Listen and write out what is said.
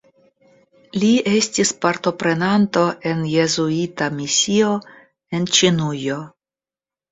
Li estis partoprenanto en Jezuita misio en Ĉinujo.